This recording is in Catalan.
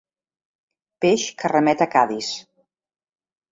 Peix que remet a Cadis.